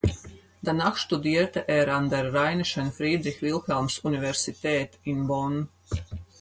Danach studierte er an der Rheinischen Friedrich-Wilhelms-Universität in Bonn.